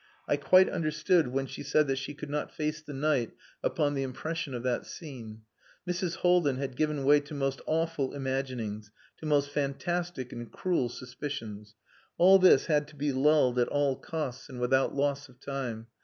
I quite understood when she said that she could not face the night upon the impression of that scene. Mrs. Haldin had given way to most awful imaginings, to most fantastic and cruel suspicions. All this had to be lulled at all costs and without loss of time.